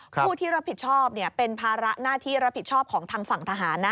ผู้ที่รับผิดชอบเป็นภาระหน้าที่รับผิดชอบของทางฝั่งทหารนะ